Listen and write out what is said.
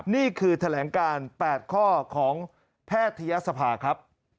นี่คือแถลงการ๘ข้อของแพทยศภาครับ